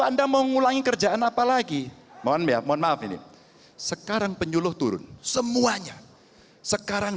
anda mau ngulangi kerjaan apa lagi mohon maaf ini sekarang penyuluh turun semuanya sekarang